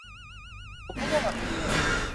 สมมติว่ามันไม่แย่